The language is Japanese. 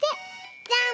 じゃん！